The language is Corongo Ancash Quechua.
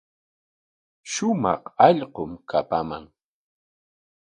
Shumaq allqum kapaman.